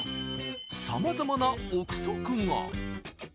さまざまな臆測が。